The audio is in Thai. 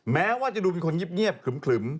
แม้ว่าจะดูเป็นคนเงียบขึม